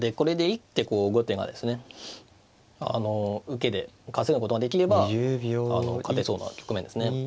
あの受けで稼ぐことができれば勝てそうな局面ですね。